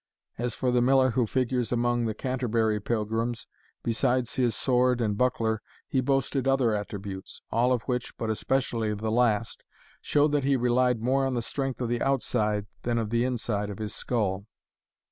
As for the Miller who figures among the Canterbury pilgrims, besides his sword and buckler, he boasted other attributes, all of which, but especially the last, show that he relied more on the strength of the outside than that of the inside of his skull.